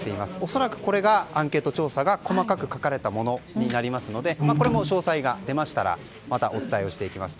恐らくこれがアンケート調査が細かく書かれたものになりますのでこれも詳細が出ましたらまたお伝えします。